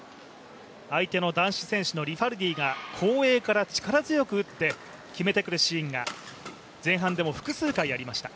相手の男子選手のリファルディが、後衛から力強く打って決めてくるシーンが前半でも、複数回ありました。